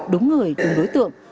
đúng người đúng đối tượng